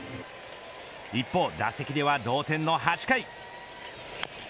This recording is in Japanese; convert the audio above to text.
一方、打席では同点の８回。